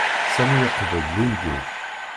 Sami yeqbel dindin.